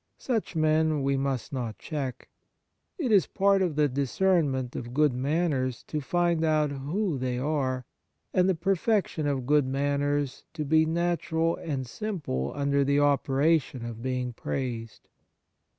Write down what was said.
Such men we must not check. It is part of the discernment of good manners to find out who they are, and the perfection of good manners to be natural and simple under the operation of being praised.